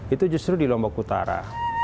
itu justru di lombok utara